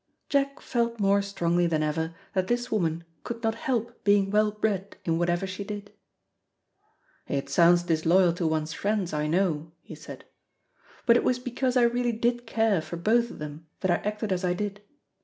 Jack felt more strongly than ever that this woman could not help being well bred in whatever she did. "It sounds disloyal to one's friends, I know," he said, "but it was because I really did care for both of them that I acted as I did.